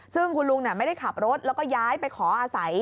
ซึ่งคุณลุงไม่ได้ขับรถแล้วก็ย้ายไปขออาศัย